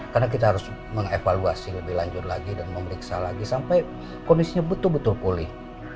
karena kita harus mengevaluasi lebih lanjut lagi dan memeriksa lagi sampai kondisinya betul betul pulih